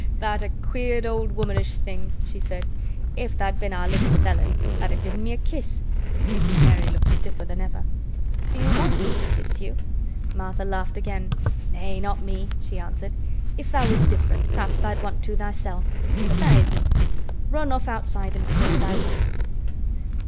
"Eh! th' art a queer, old womanish thing," she said. "If tha'd been our 'Lizabeth Ellen tha'd have given me a kiss." Mary looked stiffer than ever. "Do you want me to kiss you?" Martha laughed again. "Nay, not me," she answered. "If tha' was different, p'raps tha'd want to thysel'. But tha' isn't. Run off outside an' play with thy rope."